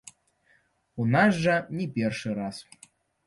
У нас жа не першы раз.